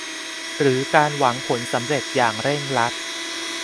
หรือการหวังผลสำเร็จอย่างเร่งรัด